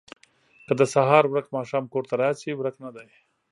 ـ که د سهار ورک ماښام کور ته راشي ورک نه دی